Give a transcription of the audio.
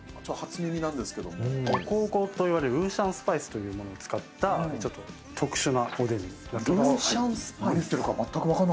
五香粉といわれるウーシャンスパイスというものを使ったちょっと特殊なおでんになってます。